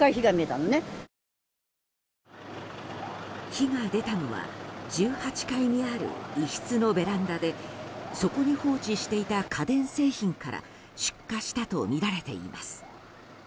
火が出たのは１８階にある一室のベランダでそこに放置していた家電製品から出火したとみられています。